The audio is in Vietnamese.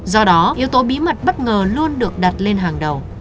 do đó yếu tố bí mật bất ngờ luôn được đặt lên hàng đầu